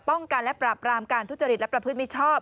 ป้องกันและปราบรามการทุจริตและประพฤติมิชชอบ